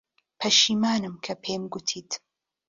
پەشیمانم کە پێم گوتیت.